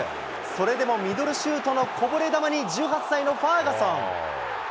それでもミドルシュートのこぼれ球に、１８歳のファーガソン。